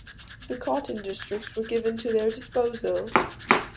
The cotton districts were given to their disposal.